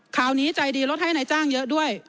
ข่าวนี้ใจดีลดให้นายจ้างเยอะด้วย